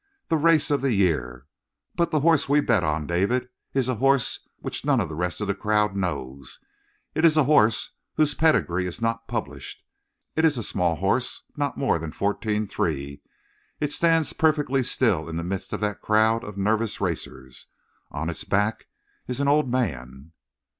The race of the year. But the horse we bet on, David, is a horse which none of the rest in that crowd knows. It is a horse whose pedigree is not published. It is a small horse, not more than fourteen three. It stands perfectly still in the midst of that crowd of nervous racers. On its back is an old man."